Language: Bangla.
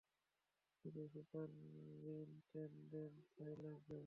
শুধু সুপারিনটেনডেন্টের সাইন লাগবে।